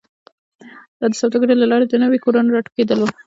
دا د سوداګرۍ له لارې د نویو کورنیو راټوکېدل و